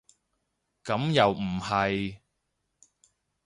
咁又唔係